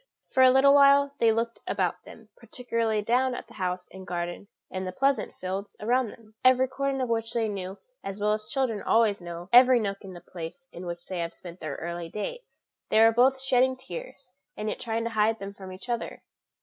For a little while they looked about them, particularly down on the house and garden and the pleasant fields around them, every corner of which they knew as well as children always know every nook in the place in which they have spent their early days. They were both shedding tears, and yet trying to hide them from each other.